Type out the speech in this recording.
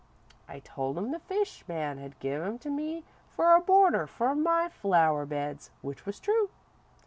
I told him the fish man had give 'em to me for a border for my flower beds, which was true.